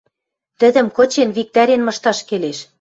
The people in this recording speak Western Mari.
тӹдӹм кычен, виктӓрен мышташ келеш.